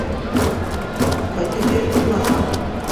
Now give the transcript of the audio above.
Ҡайтып йөрөп булмаҫ.